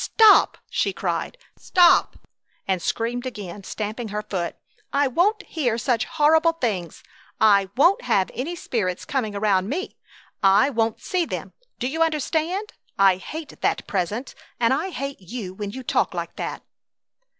"Stop!" she cried. "Stop!" and screamed again, stamping her foot. "I won't hear such horrible things! I won't have any spirits coming around me! I won't see them! Do you understand? I hate that Presence, and I hate you when you talk like that!"